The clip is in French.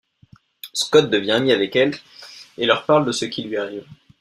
Scott devient ami avec elles et leur parle de ce qui lui arrive.